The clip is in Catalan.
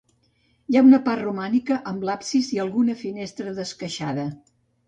Hi ha una part romànica amb l'absis i alguna finestra d'esqueixada.